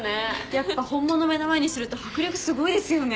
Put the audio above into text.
やっぱ本物目の前にすると迫力すごいですよね。